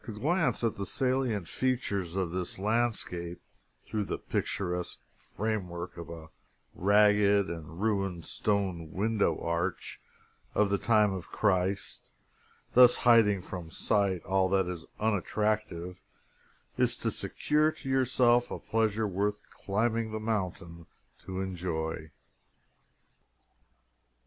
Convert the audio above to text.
To glance at the salient features of this landscape through the picturesque framework of a ragged and ruined stone window arch of the time of Christ, thus hiding from sight all that is unattractive, is to secure to yourself a pleasure worth climbing the mountain to enjoy.